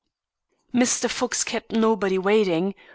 Mr. Fox kept nobody waiting.